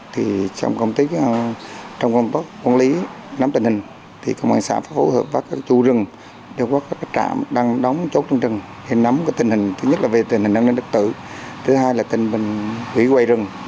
thì trong công ty trong công tác quân lý nắm tình hình thì công an xã phối hợp với chủ rừng